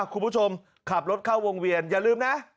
คุณผู้ชมขับรถเข้าวงเวียนอย่าลืมนะ